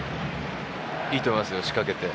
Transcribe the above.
いいと思いますよ、仕掛けて。